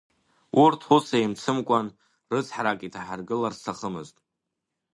Урҭ, ус еицымкәан, рыцҳарак иҭаҳаргылар сҭахымызт.